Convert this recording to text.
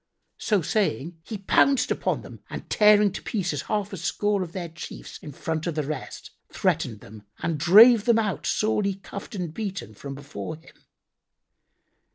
So saying, he pounced upon them and tearing to pieces half a score of their chiefs in front of the rest, threatened them and drave them out, sorely cuffed and beaten, from before him.